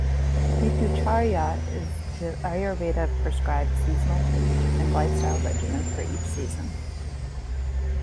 Ritucharya is the Ayurveda prescribed seasonal food and lifestyle regimen for each season.